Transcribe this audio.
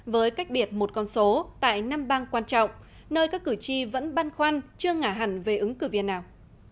với cách biệt một con số tại năm bang quan trọng nơi các cử tri vẫn băn khoăn chưa ngả hẳn về ứng cử viên nào